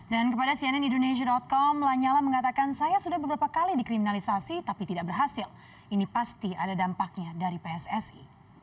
kepada cnn indonesia com lanyala mengatakan saya sudah beberapa kali dikriminalisasi tapi tidak berhasil ini pasti ada dampaknya dari pssi